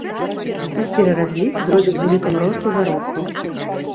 Іх пераразлік зробяць з улікам росту заробкаў.